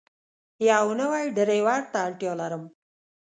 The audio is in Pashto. یو نوی ډرایور ته اړتیا لرم.